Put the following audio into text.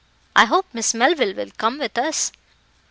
I hope Miss Melville will come with us."